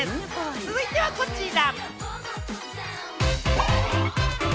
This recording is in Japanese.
続いてはこちら。